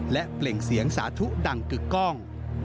และเปล่งเสียงสาธุดังกึกกล้อง